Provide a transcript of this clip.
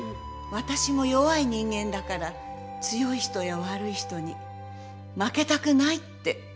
私も弱い人間だから強い人や悪い人に負けたくないって思ってるの。